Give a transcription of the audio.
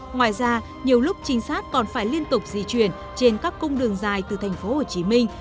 ngoài ra nhiều lúc trinh sát còn phải liên tục di chuyển trên các cung đường dài từ tp hcm